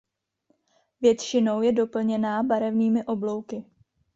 Většinou je doplněná barevnými oblouky.